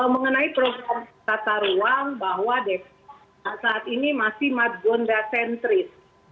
mengenai program tata ruang bahwa depok saat ini masih margonda sentris